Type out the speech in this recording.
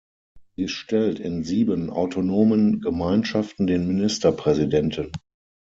Sie stellt in sieben Autonomen Gemeinschaften den Ministerpräsidenten.